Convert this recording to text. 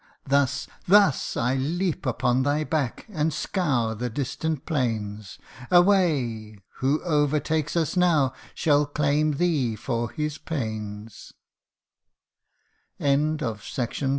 Thus, thus, I leap upon thy back, and scour the distant plains ; Away ! who overtakes us now, shall claim thee for his pains !